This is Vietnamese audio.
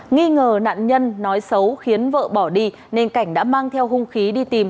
nghi ngờ nạn nhân nói xấu khiến vợ bỏ đi nên cảnh đã mang theo hung khí đi tìm